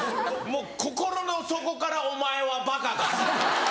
もう心の底からお前はバカかと。